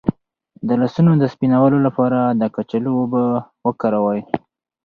د لاسونو د سپینولو لپاره د کچالو اوبه وکاروئ